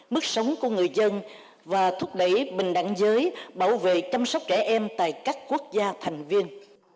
mức sống của người dân và thúc đẩy bình đẳng giới bảo vệ chăm sóc trẻ em tại các quốc gia thành viên